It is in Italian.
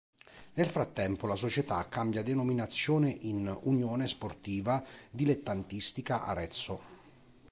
Nel frattempo la società cambia denominazione in "Unione Sportiva Dilettantistica Arezzo".